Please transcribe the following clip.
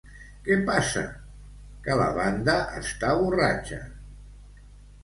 —Què passa? —Que la banda està borratxa.